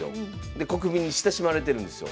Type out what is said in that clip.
で国民に親しまれてるんですよ。